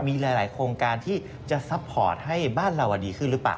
มีหลายโครงการที่จะซัพพอร์ตให้บ้านเราดีขึ้นหรือเปล่า